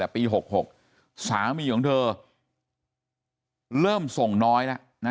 ปี๖๖สามีของเธอเริ่มส่งน้อยแล้วนะ